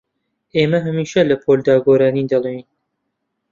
ئێمە هەمیشە لە پۆلدا گۆرانی دەڵێین.